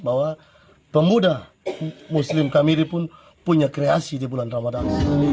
bahwa pemuda muslim kamiri pun punya kreasi di bulan ramadan